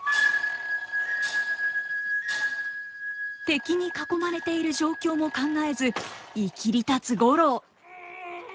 敵に囲まれている状況も考えずいきりたつ五郎。